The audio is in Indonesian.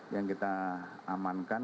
yang kita amankan